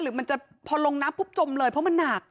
มันจะพอลงน้ำปุ๊บจมเลยเพราะมันหนัก